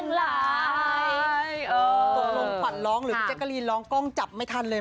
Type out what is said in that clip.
ตกลงขวัญร้องหรือพี่แจ๊กกะลีนร้องกล้องจับไม่ทันเลย